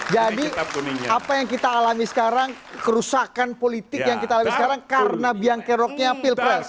jadi apa yang kita alami sekarang kerusakan politik yang kita alami sekarang karena biangkeroknya pilpres